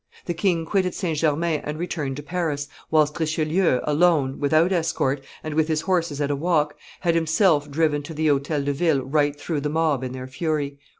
The king quitted St. Germain and returned to Paris, whilst Richelieu, alone, without escort, and with his horses at a walk, had himself driven to the Hotel de Ville right through the mob in their fury.